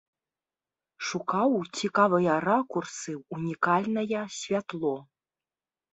Шукаў цікавыя ракурсы, унікальная святло.